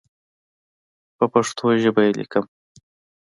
پر پښتو ژبه یې لیکم.